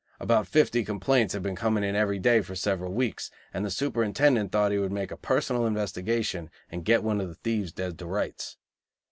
About fifty complaints had been coming in every day for several weeks; and the Superintendent thought he would make a personal investigation and get one of the thieves dead to rights.